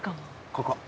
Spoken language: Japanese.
ここ。